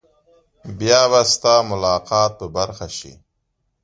بیا به ستا ملاقات په برخه شي.